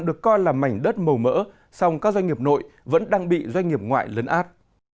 được coi là mảnh đất màu mỡ song các doanh nghiệp nội vẫn đang bị doanh nghiệp ngoại lấn át